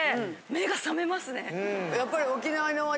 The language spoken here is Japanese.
やっぱり。